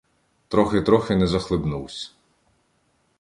Трохи-трохи не захлебнувсь.